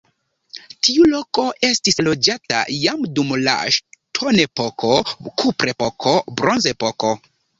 Tiu loko estis loĝata jam dum la ŝtonepoko, kuprepoko, bronzepoko.